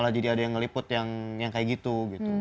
kalau jadi adanya yang ngeliput yang kayak gitu gitu